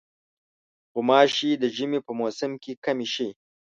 غوماشې د ژمي په موسم کې کمې شي.